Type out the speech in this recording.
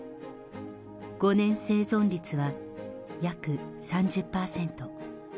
５年生存率は約３０％。